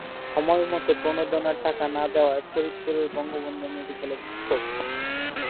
সময়মতো প্রণোদনার টাকা না দেওয়ায় ফরিদপুরের বঙ্গবন্ধু মেডিকেলে বিক্ষোভ